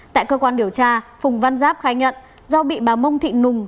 tại cơ quan điều tra phùng văn giáp khai nhận do bị bà mông thị nùng